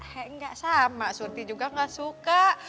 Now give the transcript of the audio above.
he enggak sama surti juga gak suka